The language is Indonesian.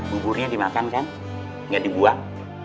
buburnya dimakan kan nggak dibuang